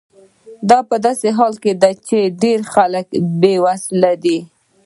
دا په داسې حال کې ده چې ډیری خلک بې وسیلې دي.